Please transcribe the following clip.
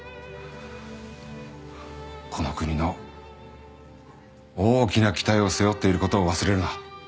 この国の大きな期待を背負っている事を忘れるな。